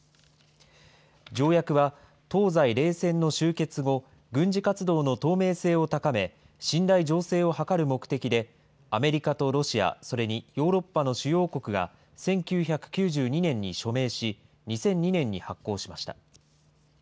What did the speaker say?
条約は東西冷戦の終結後、軍事活動の透明性を高め、信頼醸成を図る目的で、アメリカとロシア、それにヨーロッパの主要国が１９９２年に署名し、２００２年に発効しました。